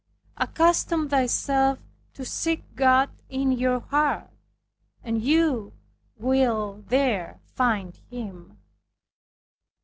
Accustom yourself to seek God in your heart, and you will there find Him."